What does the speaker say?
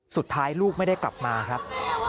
สุดท้ายลูกไม่ได้กลับมาครับ